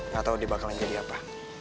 gak tau dia bakalan jadi apa